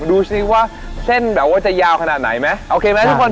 ดูสิว่าเส้นแบบว่าจะยาวขนาดไหนไหมโอเคไหมทุกคน